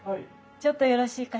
ちょっとよろしいかしら？